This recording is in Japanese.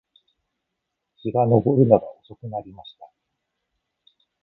日が登るのが遅くなりました